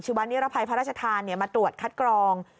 วันนิรภัยพระราชทานมาตรวจคัดกรอง